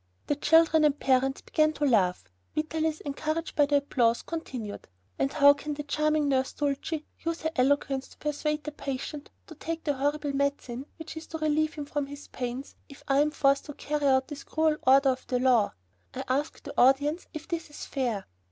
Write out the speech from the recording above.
The children and parents began to laugh. Vitalis encouraged by the applause, continued: "And how can the charming nurse, Dulcie, use her eloquence to persuade the patient to take the horrible medicine which is to relieve him of his pains if I am forced to carry out this cruel order of the law? I ask the audience if this is fair?"